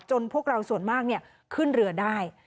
พวกเราส่วนมากขึ้นเรือได้